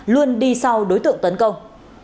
luôn đi sau đối tượng tấn công